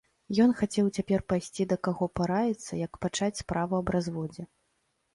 Ён хацеў цяпер пайсці да каго параіцца, як пачаць справу аб разводзе.